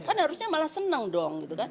kan harusnya malah senang dong